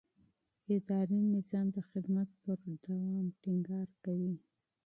اداري نظام د خدمت پر دوام ټینګار کوي.